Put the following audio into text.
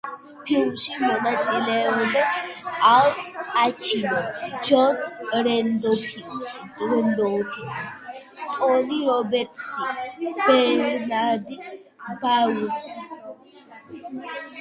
ფილმში მონაწილეობენ ალ პაჩინო, ჯონ რენდოლფი, ტონი რობერტსი, ბერნანდ ბაროუ და სხვა.